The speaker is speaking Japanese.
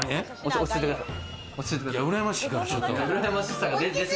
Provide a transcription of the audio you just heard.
落ち着いてください。